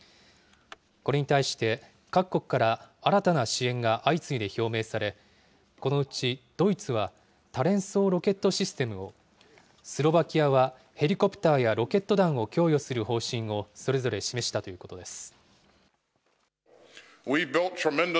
これに対して、各国から新たな支援が相次いで表明され、このうちドイツは、多連装ロケットシステムを、スロバキアは、ヘリコプターやロケット弾を供与する方針を、それぞれ示したということです。